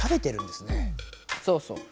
そうそう。